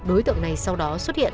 đối tượng này sau đó xuất hiện